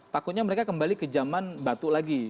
takutnya mereka kembali ke zaman batu lagi